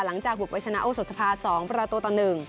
หลังจากบุกไปชนะโอสดสภา๒ประตูต่อ๑